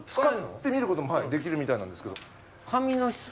使ってみることもできるみたいなんですけど。